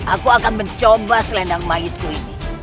aku akan mencoba selendang mahitku ini